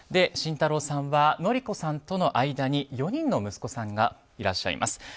慎太郎さんは典子さんとの間に４人の息子さんがいらっしゃいます。